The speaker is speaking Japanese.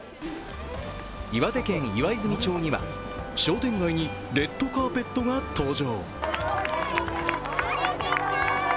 岩手県岩泉町には商店街にレッドカーペットが登場。